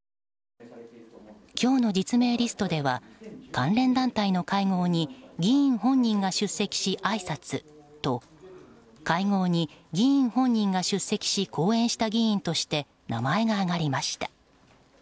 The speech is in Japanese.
今日の実名リストでは関連団体の会合に議員本人が出席しあいさつと会合に議員本人が出席し講演した議員として名前が挙がりました。